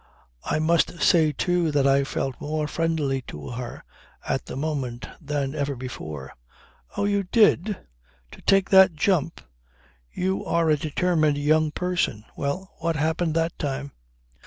I must say too that I felt more friendly to her at the moment than ever before. "Oh, you did? To take that jump? You are a determined young person. Well, what happened that time?"